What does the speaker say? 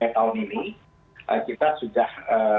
tahun ini kita sudah